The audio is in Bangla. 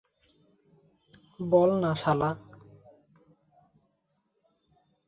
বল না, শালা!